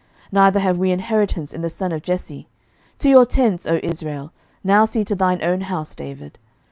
neither have we inheritance in the son of Jesse: to your tents, O Israel: now see to thine own house, David.